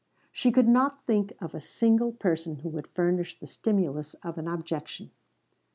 She could not think of a single person who would furnish the stimulus of an objection.